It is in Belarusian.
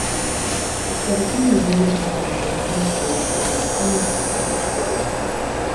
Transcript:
Крышталяхімія з'явілася разам з рэнтгенаўскім метадам вызначэння структур крышталёў.